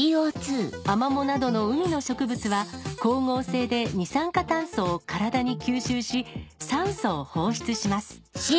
アマモなどの海の植物は光合成で二酸化炭素を体に吸収し酸素を放出します。